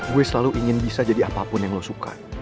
gue selalu ingin bisa jadi apapun yang lo suka